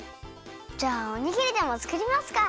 じゃあおにぎりでもつくりますか。